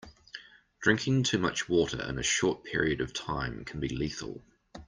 Drinking too much water in a short period of time can be lethal.